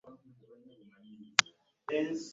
Ensujju nzikolamu obuwungana nfuna ssente.